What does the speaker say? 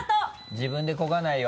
自分でこがないよ。